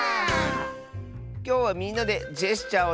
きょうはみんなでジェスチャーをしてあそぶよ！